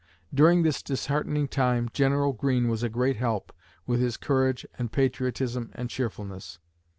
During this disheartening time, General Greene was a great help, with his courage and patriotism and cheerfulness.